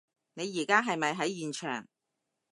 你而家係咪喺現場？